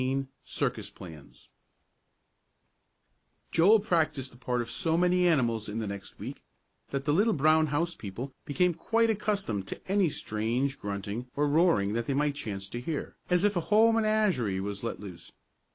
XIX CIRCUS PLANS Joel practised the part of so many animals in the next week that the little brown house people became quite accustomed to any strange grunting or roaring they might chance to hear, as if a whole menagerie were let loose.